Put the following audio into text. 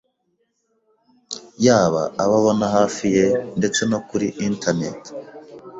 yaba abo abona hafi ye ndetse no kuri “internet”.